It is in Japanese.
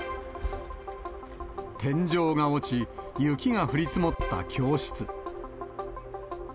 天井が落ち、雪が降り積もった教室。